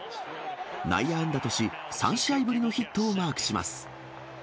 内野安打とし、３試合ぶりのヒットをマークします。